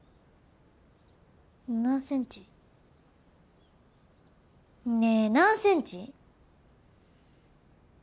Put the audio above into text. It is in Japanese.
何センチ？ねえ何センチ！？